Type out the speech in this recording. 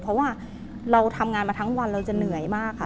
เพราะว่าเราทำงานมาทั้งวันเราจะเหนื่อยมากค่ะ